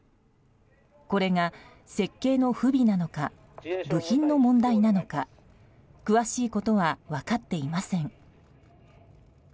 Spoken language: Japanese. これが、設計の不備なのか部品の問題なのか詳しいことは分かっていません。